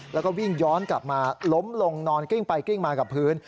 แล้วก็วิ่งย้อนกลับมาล้มลงนอนกลิ้งไปกลิ้งมากับพื้น